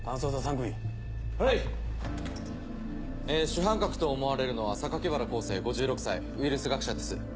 主犯格と思われるのは原康生５６歳ウイルス学者です。